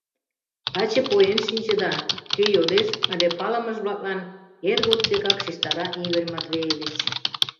— Таче поен шинчыда! — кӧ йодеш але палымыж-влаклан эр годсекак шижтара Игорь Матвеевич.